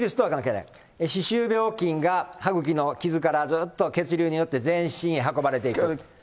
歯周病菌が歯ぐきの傷から血流によって、全身へ運ばれていく。